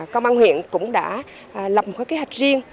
công an huyện cũng đã lập một kế hoạch riêng